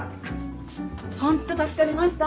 ホント助かりました。